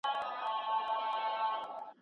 د یاغي کوترو ښکار ته به یې وړلې